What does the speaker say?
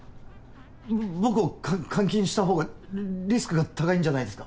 僕を監禁した方がリスクが高いんじゃないですか？